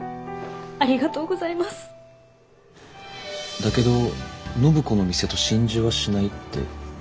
だけど暢子の店と心中はしないって。